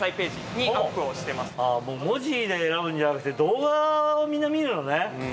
あぁもう文字で選ぶんじゃなくて動画をみんな見るのね！